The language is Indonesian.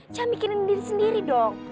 saya mikirin diri sendiri dong